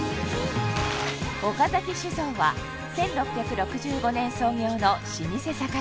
岡崎酒造は１６６５年創業の老舗酒蔵